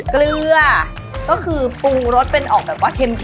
เกลือก็คือปรุงรสเป็นออกแบบว่าเค็ม